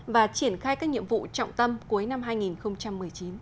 và triển khai các nhiệm vụ trọng tâm cuối năm hai nghìn một mươi chín